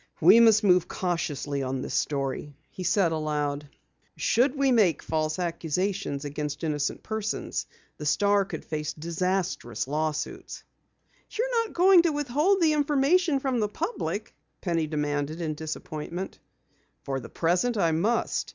"We must move cautiously on this story," he said aloud. "Should we make false accusations against innocent persons, the Star would face disastrous lawsuits." "You're not going to withhold the information from the public?" Penny demanded in disappointment. "For the present, I must.